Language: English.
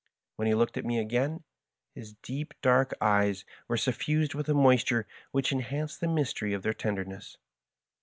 When he looked at me again, his deep dark eyes were soSnsed with a moisture which en hanced the mystery of their tenderness.